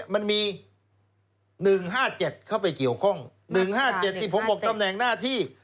มันมี๑๕๗เข้าไปเกี่ยวข้อง๑๕๗ที่ผมบอกตำแหน่งหน้าที่